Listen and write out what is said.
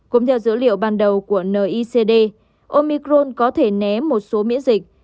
cũng theo dữ liệu ban đầu của nicd omicron có thể né một số miễn dịch